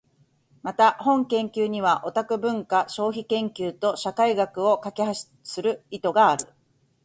また、本研究にはオタク文化消費研究と社会学を架橋する意図がある。